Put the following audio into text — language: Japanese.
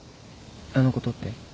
あのことって？